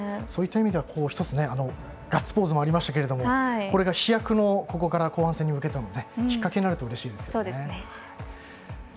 そういった意味ではガッツポーズもありましたがこれが飛躍のここから後半戦に向けてのきっかけになるとうれしいですね。